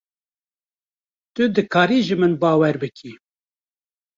Tu dikarî ji min bawer bikî.